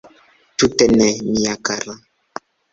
Tute ne, mia kara.